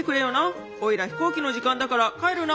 オイラ飛行機の時間だから帰るな。